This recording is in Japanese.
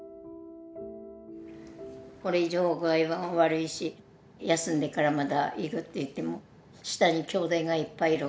これ以上具合は悪いし休んでからまた行くっていっても下にきょうだいがいっぱいいるからさ